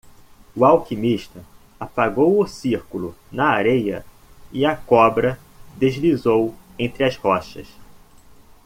O alquimista apagou o círculo na areia e a cobra deslizou entre as rochas.